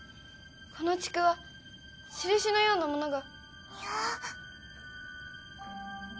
このちくわ印のようなものが。